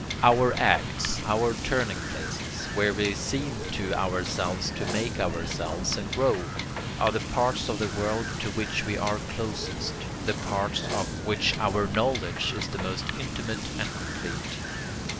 Our acts, our turning places, where we seem to ourselves to make ourselves and grow, are the parts of the world to which we are closest, the parts of which our knowledge is the most intimate and complete.